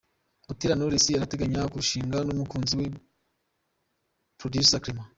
Butera Knowless arateganya kurushingana n’umukunzi we Producer Clement.